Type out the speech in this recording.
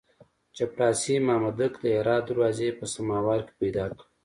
چپړاسي مامدک د هرات دروازې په سماوار کې پیدا کړ.